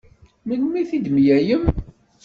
Melmi i t-id-temlalem?